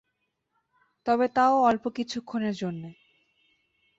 তবে তাও অল্প কিছুক্ষণের জন্যে।